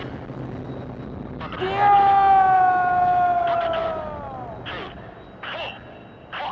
terakhir pesawat sukai dua puluh tujuh frik